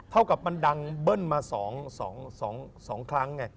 เท่ากับมันดังเบิ้ลมา๒ครั้งไง